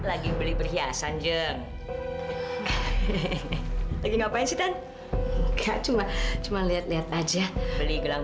hai lagi beli perhiasan jeng hehehe lagi ngapain sih dan cuman cuman lihat lihat aja beli gelang